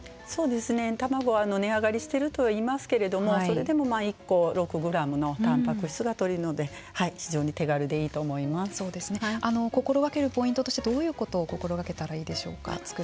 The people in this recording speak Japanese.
卵は値上がりしているといいますけどそれでも１個６グラムのたんぱく質がとれるので心がけるポイントとしてどういうことを心がけたらいいでしょうか。